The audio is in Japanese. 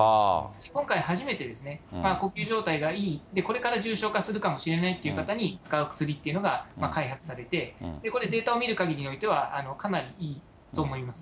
今回初めてですね、呼吸状態がいい、これから重症化するかもしれないっていう方に使う薬というのが開発されて、これ、データを見るかぎりにおいてはかなりいいと思います。